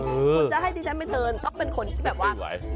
คุณจะให้ดิฉันไปเทินต้องเป็นคนที่แบบว่า